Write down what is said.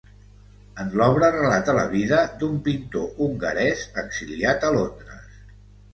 En l'obra relata la vida d'un pintor hongarès exiliat a Londres.